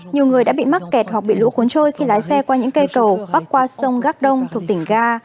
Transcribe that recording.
nhiều người đã bị mắc kẹt hoặc bị lũ cuốn trôi khi lái xe qua những cây cầu bắc qua sông gác đông thuộc tỉnh ga